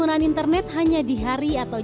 walaupun percaya ber koordinator